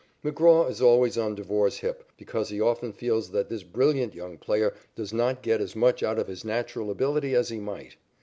McGraw is always on Devore's hip because he often feels that this brilliant young player does not get as much out of his natural ability as he might.